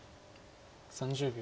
３０秒。